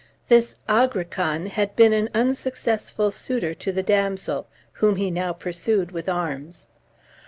This Agrican had been an unsuccessful suitor to the damsel, whom he now pursued with arms.